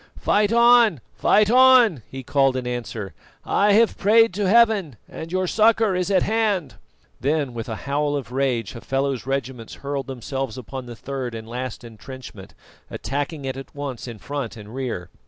"Fight on! Fight on!" he called in answer. "I have prayed to Heaven, and your succour is at hand." Then, with a howl of rage, Hafela's regiments hurled themselves upon the third and last entrenchment, attacking it at once in front and rear.